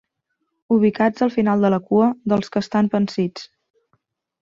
Ubicats al final de la cua dels que estan pansits.